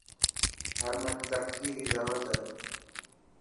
ٿر ۾ ترقي ري ضرورت هي.